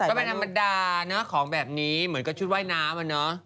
ก็เป็นอัมัดาของแบบนี้เหมือนกับชุดไว้น้ำอะเนอะ